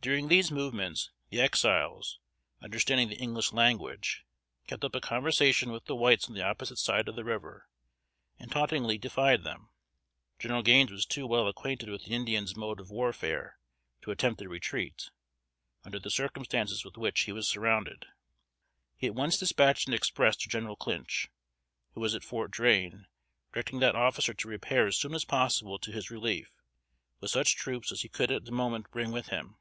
During these movements, the Exiles, understanding the English language, kept up a conversation with the whites on the opposite side of the river, and tauntingly defied them. General Gaines was too well acquainted with the Indian mode of warfare to attempt a retreat, under the circumstances with which he was surrounded. He at once dispatched an express to General Clinch, who was at Fort Drane, directing that officer to repair as soon as possible to his relief with such troops as he could at the moment bring with him.